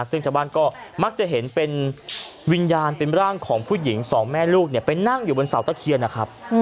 ซึ่งชาวบ้านก็มักจะเห็นเป็นวิญญาณเป็นร่างของผู้หญิงสองแม่ลูกไปนั่งอยู่บนเสาตะเคียนนะครับ